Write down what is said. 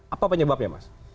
apa penyebabnya mas